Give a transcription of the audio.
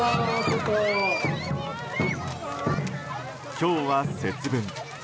今日は節分。